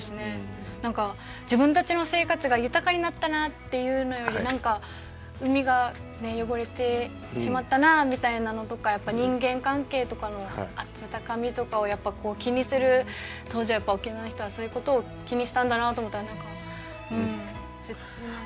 何か自分たちの生活が豊かになったなっていうのより何か海が汚れてしまったなみたいなのとかやっぱ人間関係とかのあたたかみとかを気にする当時沖縄の人はそういうことを気にしたんだなと思ったらうん切ない。